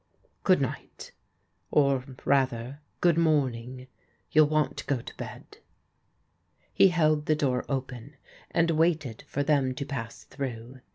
Good night, or rather, good morning. You'll want to go to bed." He held the door open, and waited for them to pass through.